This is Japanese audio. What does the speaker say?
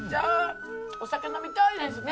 お酒飲みたいですね。